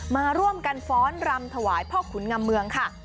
มาร่วมกันฟ้อนรำถวายพ่อขุนงำเมืองค่ะ